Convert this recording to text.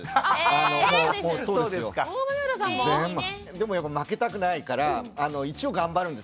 でもやっぱ負けたくないから一応頑張るんです。